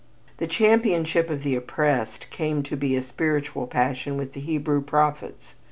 The championship of the oppressed came to be a spiritual passion with the Hebrew prophets.